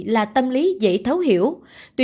là tâm lý dễ thấu hiểu